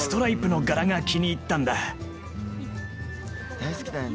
大好きだよね。